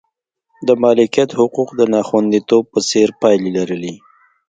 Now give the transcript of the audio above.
د مالکیت حقوقو د ناخوندیتوب په څېر پایلې یې لرلې.